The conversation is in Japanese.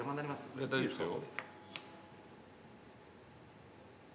いや大丈夫ですよ。